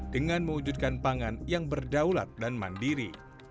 dengan mewujudkan pangan yang berdaulat dan mandiri